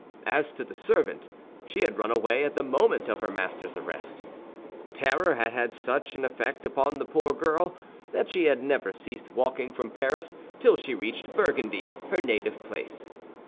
As to the servant, she had run away at the moment of her master's arrest. Terror had had such an effect upon the poor girl that she had never ceased walking from Paris till she reached Burgundy, her native place.